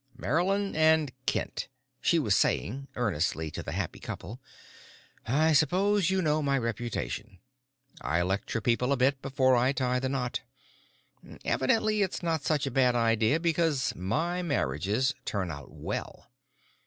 "Marylyn and Kent," she was saying earnestly to the happy couple, "I suppose you know my reputation. I lecture people a bit before I tie the knot. Evidently it's not such a bad idea because my marriages turn out well.